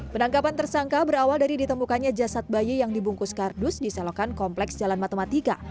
penangkapan tersangka berawal dari ditemukannya jasad bayi yang dibungkus kardus di selokan kompleks jalan matematika